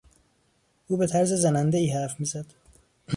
او به طرز زنندهای حرف میزد.